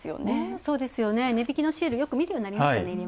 そうですよね、値引きシール、見るようになりましたね。